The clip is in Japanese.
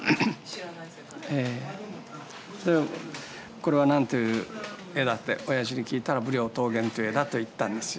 これは何という絵だっておやじに聞いたら「『武陵桃源』という絵だ」と言ったんですよ。